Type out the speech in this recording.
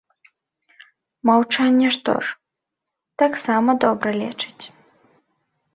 Маўчанне што ж, таксама добра лечыць.